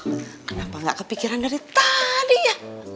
kenapa gak kepikiran dari tadi ya